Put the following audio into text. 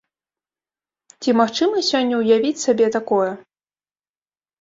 Ці магчыма сёння ўявіць сабе такое?